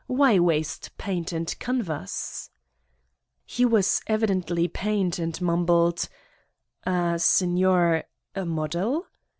Why waste paint and canvas ?'' He was evidently pained and mumbled : "Ah, Signor a model!"